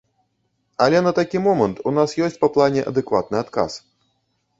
Але на такі момант у нас ёсць па плане адэкватны адказ.